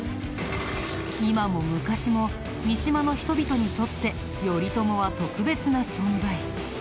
今も昔も三島の人々にとって頼朝は特別な存在。